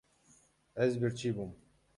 Ez birçî bûm.